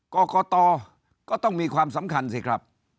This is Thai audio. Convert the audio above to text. กรกตก็ต้องมีความสำคัญสิครับ